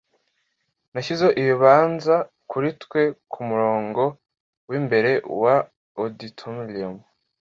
Nashizeho ibibanza kuri twe kumurongo wimbere wa auditorium.